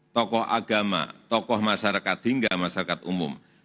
tokoh agama tokoh masyarakat hingga masyarakat umum